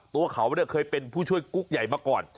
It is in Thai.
ตัวเขาเคยเป็นผู้ช่วยกุ๊กใหญ่มาก่อน